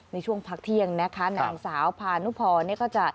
ในช่วงพักเที่ยงนะคะนางสาวพานุพรเนี่ยก็จะ